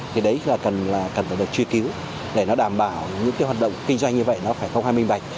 thì đấy là cần phải được truy cứu để nó đảm bảo những cái hoạt động kinh doanh như vậy nó phải công hai mỹ ngạch